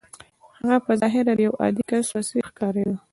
هغه په ظاهره د يوه عادي کس په څېر ښکارېده.